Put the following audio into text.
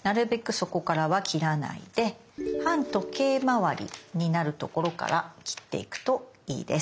そこからは切らないで反時計回りになるところから切っていくといいです。